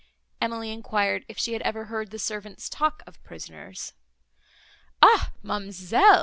Emily enquired if she had ever heard the servants talk of prisoners. "Ah ma'amselle!"